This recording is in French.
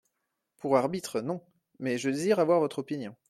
Pour arbitre, non ; mais je désire avoir votre opinion.